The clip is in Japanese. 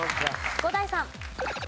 伍代さん。